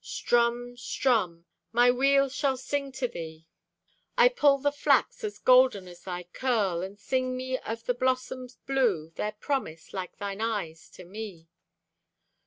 Strumm, strumm! My wheel shall sing to thee. I pull the flax as golden as thy curl, And sing me of the blossoms blue, Their promise, like thine eyes to me.